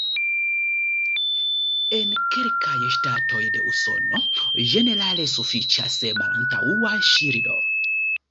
En kelkaj ŝtatoj de Usono ĝenerale sufiĉas malantaŭa ŝildo.